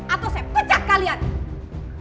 atau saya pecah kalian